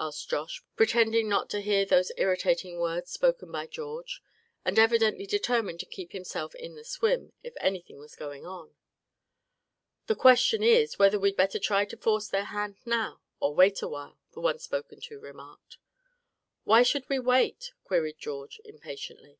asked Josh, pretending not to hear those irritating words spoken by George; and evidently determined to keep himself "in the swim" if anything was going on. "The question is whether we'd better try to force their hand now, or wait a while," the one spoken to remarked. "Why should we wait?" queried George, impatiently.